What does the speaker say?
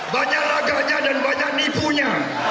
banyak laganya dan banyak nipunya